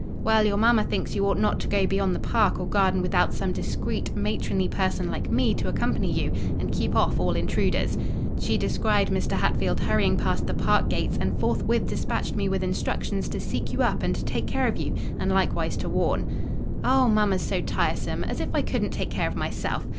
"Well, your mamma thinks you ought not to go beyond the park or garden without some discreet, matronly person like me to accompany you, and keep off all intruders. She descried Mr. Hatfield hurrying past the park gates, and forthwith despatched me with instructions to seek you up and to take care of you, and likewise to warn—" "Oh, mamma's so tiresome! As if I couldn't take care of myself.